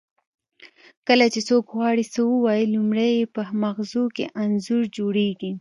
کله چې څوک غواړي څه ووایي لومړی یې په مغزو کې انځور جوړیږي